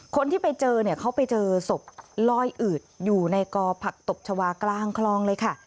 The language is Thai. คนที่ไปเจอเนี่ยเขาไปเจอศพลอยอืดอยู่ในกอผักตบชาวากลางคลองเลยค่ะ